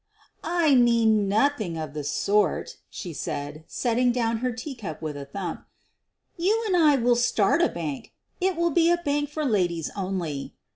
"I mean nothing of the sort," she said, setting down her teacup with a thump. "You and I will start a bank. It will be a bank for ladies only.